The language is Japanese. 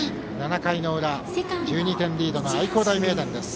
７回の裏１２点リードの愛工大名電です。